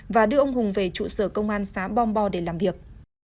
và đưa ông hùng về trụ sở công an xã bombo để làm việc